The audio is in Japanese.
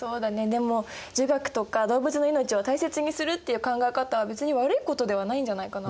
でも儒学とか動物の命を大切にするっていう考え方は別に悪いことではないんじゃないかな。